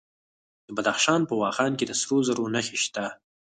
د بدخشان په واخان کې د سرو زرو نښې شته.